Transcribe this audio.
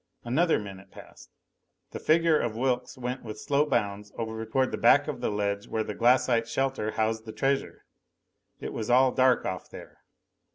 Another minute passed. The figure of Wilks went with slow bounds over toward the back of the ledge where the glassite shelter housed the treasure. It was all dark off there.